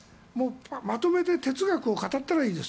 まとめて哲学を語ったらいいです。